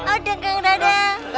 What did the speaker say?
oh kang dadang